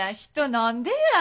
何でや？